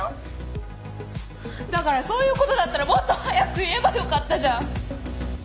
「だからそういうことだったらもっと早く言えばよかったじゃん」。